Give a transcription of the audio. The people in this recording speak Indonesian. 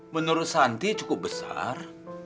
menurut santi cukup besar